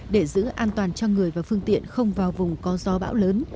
để giữ an toàn cho người và phương tiện không vào vùng có gió bão lớn